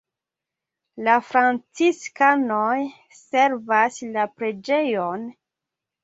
La franciskanoj servas la preĝejon.